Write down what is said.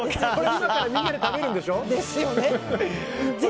今からみんなで食べるんでしょ。